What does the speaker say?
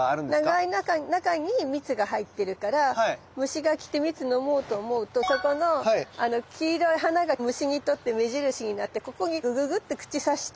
長い中に蜜が入ってるから虫が来て蜜飲もうと思うとそこの黄色い花が虫にとって目印になってここにグググッて口さして。